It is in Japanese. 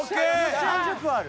３０分ある。